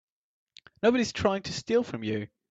Nobody's trying to steal from you.